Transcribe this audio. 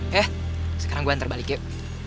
ya sekarang gue hantar balik yuk